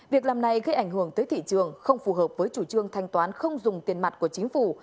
việc làm này gây ảnh hưởng tới thị trường không phù hợp với chủ trương thanh toán không dùng tiền mặt của chính phủ